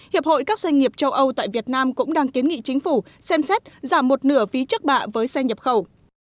hiệp hội các doanh nghiệp châu âu tại việt nam cũng đang kiến nghị chính phủ xem xét giảm một nửa phí chất bạ với xe nhập khẩu